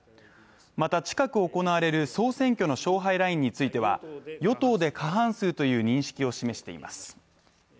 また近く行われる総選挙の勝敗ラインについては与党で過半数という認識を示しています。